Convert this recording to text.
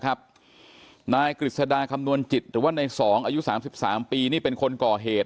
นายกฤษฎาคำนวณจิตหรือว่าใน๒อายุ๓๓ปีนี่เป็นคนก่อเหตุ